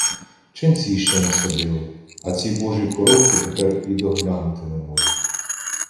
Ченці ще насадили, а ці божі коровки тепер і доглянути не можуть.